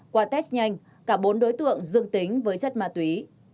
qua test nhanh cả bốn đối tượng dương tính với chất ma túy